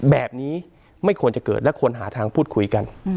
แบบนี้ไม่ควรจะเกิดและควรหาทางพูดคุยกัน